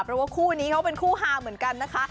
เพราะว่าคู่นี้เขาเป็นคู่ฮาเหมือนกันนะคะ